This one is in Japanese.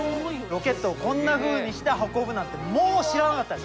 ロケットをこんなふうにして運ぶなんてもう知らなかったでしょ。